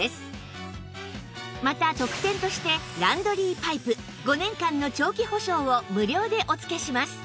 また特典としてランドリーパイプ５年間の長期保証を無料でお付けします